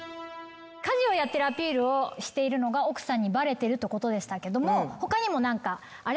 家事をやってるアピールをしているのが奥さんにバレてるってことでしたけども他にも何かあれ？